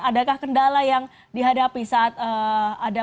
adakah kendala yang dihadapi saat ada